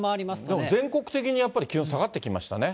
でも全国的にやっぱり気温、下がってきましたね。